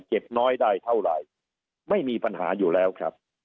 น้อยได้เท่าไหร่ไม่มีปัญหาอยู่แล้วครับ